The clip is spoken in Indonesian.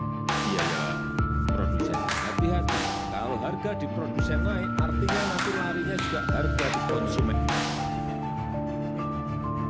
di sini ada produsen yang terlihat kalau harga diproduksi yang naik artinya nanti harinya juga harga diponsumen